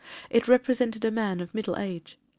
It represented a man of middle age.